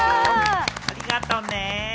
ありがとね！